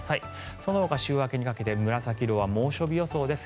そのほか週明けにかけて紫色は猛暑日予想です。